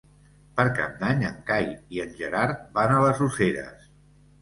Per Cap d'Any en Cai i en Gerard van a les Useres.